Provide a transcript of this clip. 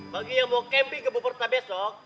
bagi yang mau camping ke buperta besok